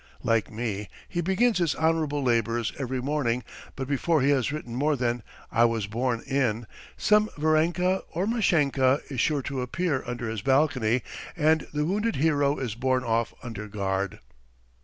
Like me, he begins his honourable labours every morning, but before he has written more than "I was born in ..." some Varenka or Mashenka is sure to appear under his balcony, and the wounded hero is borne off under guard.